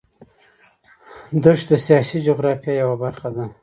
دښتې د سیاسي جغرافیه یوه برخه ده.